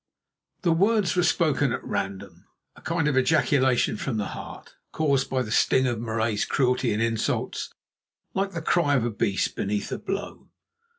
'" The words were spoken at random, a kind of ejaculation from the heart, caused by the sting of Marais's cruelty and insults, like the cry of a beast beneath a blow.